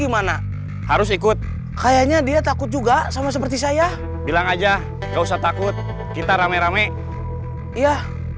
pun ada saya sama wajah juga sama seperti saya bilang aja gak usah takut kita rame rame iya